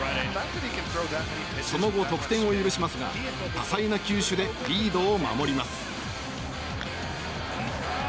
その後、得点を許しますが多彩な球種でリードを守ります。